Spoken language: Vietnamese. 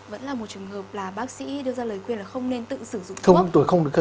vẫn là một trường hợp là bác sĩ đưa ra lời khuyên là không nên tự sử dụng thuốc